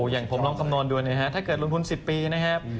อย่างผมลองคำนวณดูนะครับถ้าเกิดลงทุน๑๐ปีนะครับ